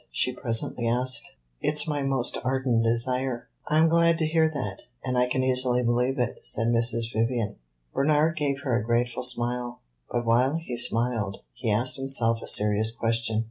she presently asked. "It 's my most ardent desire." "I 'm glad to hear that and I can easily believe it," said Mrs. Vivian. Bernard gave her a grateful smile, but while he smiled, he asked himself a serious question.